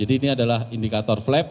ini adalah indikator flap